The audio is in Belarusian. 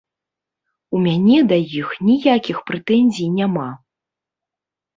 У мяне да іх ніякіх прэтэнзій няма.